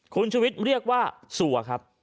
คุณชุวิตเรียกว่าสัวครับ